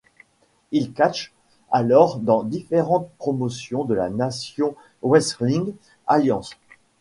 Il catche alors dans différentes promotions de la National Wrestling Alliance.